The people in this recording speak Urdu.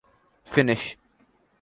فینیش